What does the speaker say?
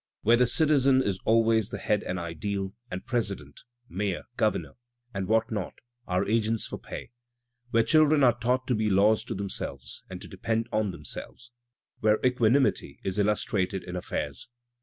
Where the citizen is always the head and ideal, and President, Mayor, Governor and what not, are agents for pay. Where children are taught to be laws to themselves, and to depend on themselves, Where equanimity is illustrated in affairs.